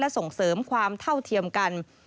ส่งเสริมความเท่าเทียมกัน